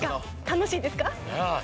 楽しいですか？